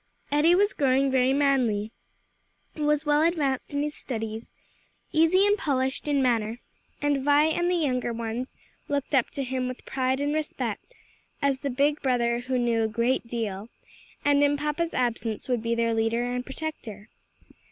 Eddie was growing very manly, was well advanced in his studies, easy and polished in manner, and Vi and the younger ones looked up to him with pride and respect, as the big brother who knew a great deal, and in papa's absence would be their leader and protector.